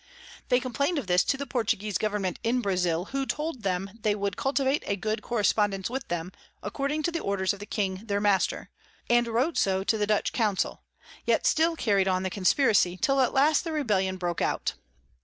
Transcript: They complain'd of this to the Portuguese Government in Brazile, who told them they would cultivate a good Correspondence with them, according to the Orders of the King their Master; and wrote so to the Dutch Council, yet still carry'd on the Conspiracy, till at last the Rebellion broke out.